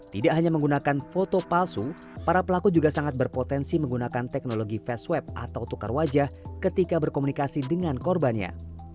tidak hanya menggunakan foto palsu para pelaku juga sangat berpotensi menggunakan teknologi fast web atau tukar wajah ketika berkomunikasi dengan korbannya